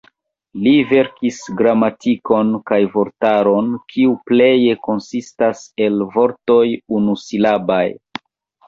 Li verkis gramatikon kaj vortaron, kiu pleje konsistas el vortoj unusilabaj.